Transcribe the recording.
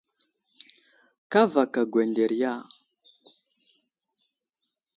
Kavaka ŋgeŋderiya.